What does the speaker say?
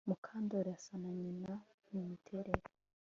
Mukandoli asa na nyina mumiterere